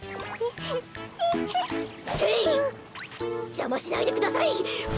じゃましないでください。